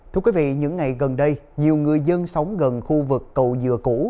thưa quý vị những ngày gần đây nhiều người dân sống gần khu vực cầu dừa cũ